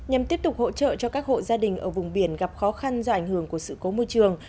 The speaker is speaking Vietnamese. nhằm tiếp tục hỗ trợ cho các hộ gia đình ở vùng biển gặp khó khăn do ảnh hưởng của sự cố môi trường